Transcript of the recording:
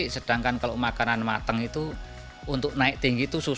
sedangkan kalau makanan mateng itu untuk naik tinggi itu susah